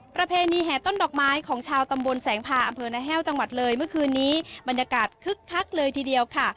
ประเพณีแห่ต้นดอกไม้ของชาวตำบลแสงพาอำเภอนาแห้วจังหวัดเลยเมื่อคืนนี้บรรยากาศคึกคักเลยทีเดียวค่ะ